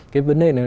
cái vấn đề này